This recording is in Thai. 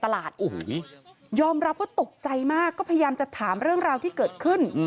ยอมรับว่าตกใจมากก็พยายามจะถามเรื่องราวที่เกิดขึ้น